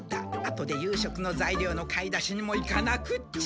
後で夕食のざいりょうの買い出しにも行かなくっちゃ。